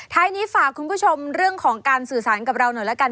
ท้ายนี้ฝากคุณผู้ชมเรื่องของการสื่อสารกับเราหน่อยละกัน